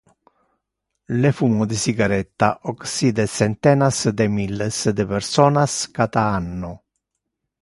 Le fumo de cigarretta occide centenas de milles de personas cata anno.